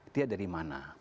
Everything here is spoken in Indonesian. dia dari mana